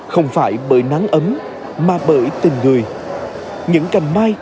không phải bởi nắng ấm mà bởi tình người